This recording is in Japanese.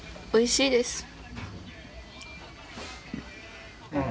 おいしいです。